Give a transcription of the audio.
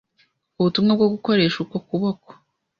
ubutumwa bwo gukoresha uko kuboko